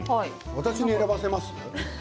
私に選ばせます？